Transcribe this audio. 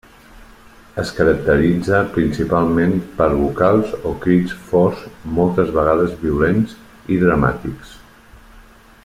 Es caracteritza principalment per vocals o crits forts moltes vegades violents i dramàtics.